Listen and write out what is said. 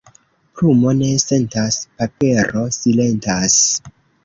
Plumo ne sentas, papero silentas.